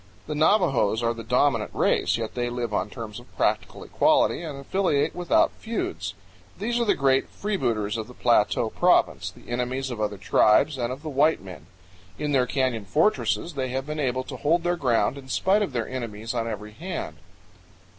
The Navajos are the dominant race, yet they live on terms of practical equality and affiliate without feuds. These are the great Freebooters of the Plateau Province the enemies of other tribes and of the white men. In their canyon fortresses they have been able to hold their ground in spite of their enemies on every hand.